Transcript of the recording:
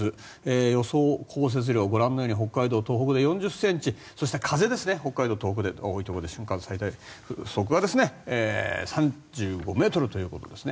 予想降雪量ご覧のように北海道、東北で４０ｃｍそして風ですね北海道、東北で多いところで最大瞬間風速が３５ｍということですね。